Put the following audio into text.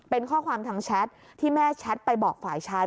เป็นข้อความทางแชทที่แม่แชทไปบอกฝ่ายชาย